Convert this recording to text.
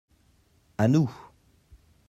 À nous.